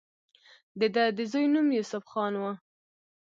د دۀ د زوي نوم يوسف خان وۀ